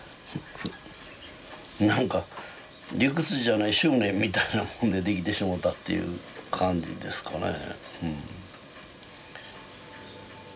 なんか理屈じゃない執念みたいなもんで出来てしもうたっていう感じですかね。